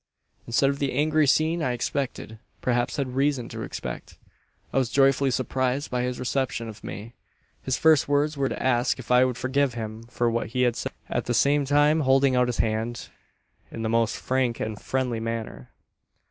"Instead of the angry scene I expected perhaps had reason to expect I was joyfully surprised by his reception of me. His first words were to ask if I would forgive him for what he had said to me at the same time holding out his hand in the most frank and friendly manner.